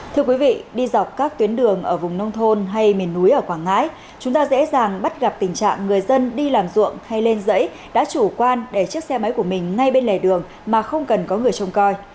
thưa quý vị đi dọc các tuyến đường ở vùng nông thôn hay miền núi ở quảng ngãi chúng ta dễ dàng bắt gặp tình trạng người dân đi làm ruộng hay lên dãy đã chủ quan để chiếc xe máy của mình ngay bên lề đường mà không cần có người trông coi